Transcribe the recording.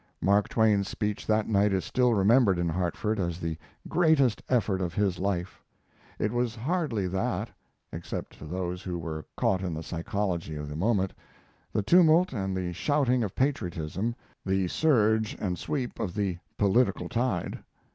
Mark Twain's speech that night is still remembered in Hartford as the greatest effort of his life. It was hardly that, except to those who were caught in the psychology of the moment, the tumult and the shouting of patriotism, the surge and sweep of the political tide.